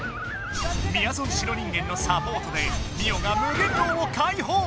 みやぞん白人間のサポートでミオが無限牢をかいほう。